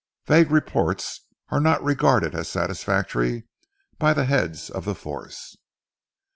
Vague reports are not regarded as satisfactory by the heads of the force."